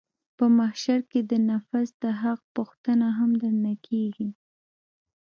په محشر کښې د نفس د حق پوښتنه هم درنه کېږي.